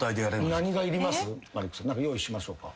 何か用意しましょうか？